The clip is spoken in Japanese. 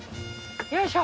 よいしょ。